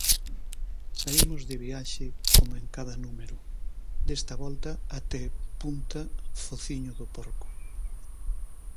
Saímos de viaxe como en cada número, desta volta até Punta Fociño do Porco.